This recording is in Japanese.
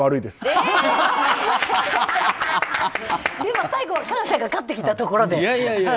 でも最後は感謝が勝ってきたところで。